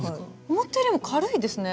思ったよりも軽いですね。